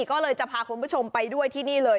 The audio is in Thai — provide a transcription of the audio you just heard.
ก็เลยจะพาคุณผู้ชมไปด้วยที่นี่เลย